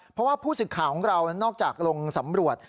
เพราะว่าผู้สื่อกล่าของเราน่าจากลงสำรวจ